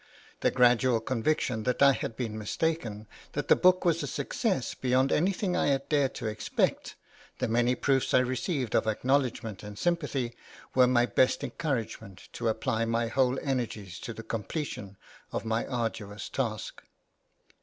The gradual conviction that I had been mistaken, that the book was a success beyond anything I had dared to expect, the many proofs I received of acknowledgment and sympathy, were my best encouragement to apply my whole energies to the completion of my arduous task.